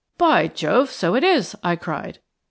"By Jove! so it is," I cried.